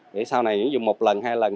vậy sau này nếu dùng một lần hai lần